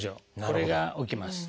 これが起きます。